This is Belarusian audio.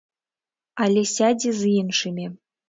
Але сядзе з іншымі.